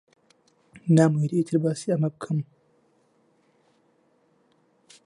نامەوێت ئیتر باسی ئەمە بکەم.